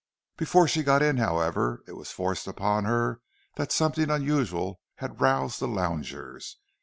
Before she got in, however, it was forced upon her that something unusual had roused the loungers.